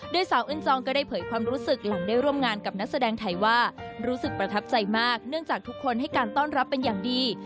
โดยสาวอึ้นจองก็ได้เผยความรู้สึกหลังได้ร่วมงานกับนักแสดงไทยว่ารู้สึกประทับใจมากเนื่องจากทุกคนให้การต้อนรับเป็นอย่างดี